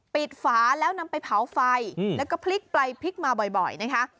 ฝาแล้วนำไปเผาไฟแล้วก็พลิกไปพลิกมาบ่อยนะคะ